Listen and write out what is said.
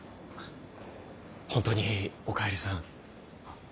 本当におかえりさん